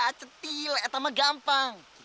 ah cetil atau mah gampang